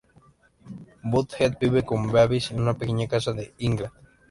Butt-Head vive con Beavis en una pequeña casa en Highland.